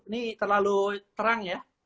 ini terlalu terang ya